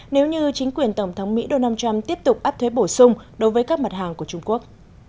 nếu như chính quyền tổng thống mỹ donald trump tiếp tục áp thuế bổ sung đối với các mặt hàng của trung quốc